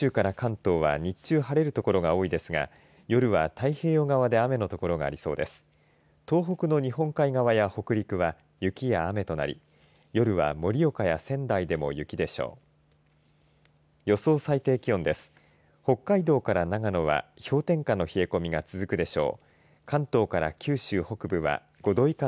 東北の日本海側や北陸は雪や雨となり夜は盛岡や仙台でも雪でしょう。